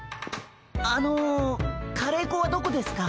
あのカレーこはどこですか？